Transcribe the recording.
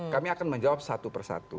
kami akan menjawab satu persatu